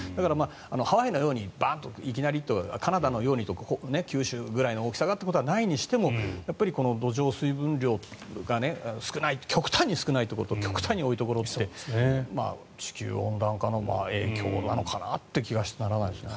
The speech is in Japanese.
ハワイのようにバンといきなりとカナダのようにと九州ぐらいの大きさがとはないにしてもやっぱり土壌水分量が極端に少ないところ極端に多いところって地球温暖化の影響なのかなという気がしてならないですね。